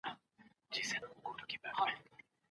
سالم ذهن انرژي نه زیانمنوي.